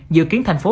dự kiến thành phố